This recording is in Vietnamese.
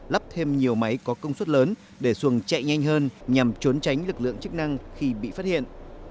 lắp thêm nhiều máy có công suất lớn để xuồng chạy nhanh hơn nhằm trốn tránh lực lượng chức năng khi bị phát hiện